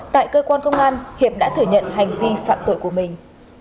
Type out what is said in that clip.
tại cơ quan công an hiệp đã thử nhận hành vi phạm tội của mình